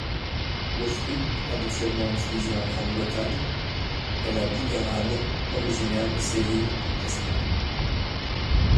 Le fruit habituellement utilisé en Grande-Bretagne est la bigarade, originaire de Séville en Espagne.